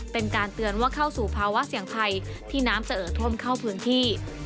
เป็นการเตือนว่าเข้าสู่ภาวะเสี่ยงภัยที่น้ำจะเอ่อท่วมเข้าพื้นที่